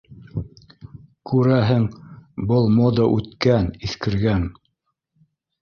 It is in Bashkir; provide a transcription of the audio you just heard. Күрәһең, был мода үткән, иҫкергән